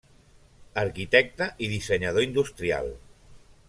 Arquitecte i dissenyador industrial.